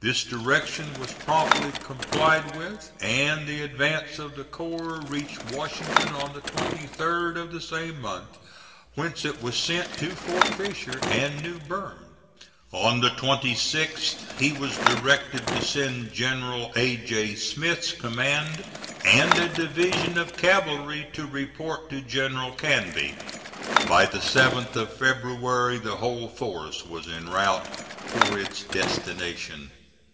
This direction was promptly complied with, and the advance of the corps reached Washington on the 23d of the same month, whence it was sent to Fort Fisher and New Bern. On the 26th he was directed to send General A. J. Smith's command and a division of cavalry to report to General Canby. By the 7th of February the whole force was en route for its destination.